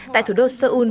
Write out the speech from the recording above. tại thủ đô seoul